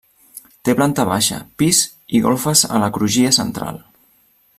Té planta baixa, pis i golfes a la crugia central.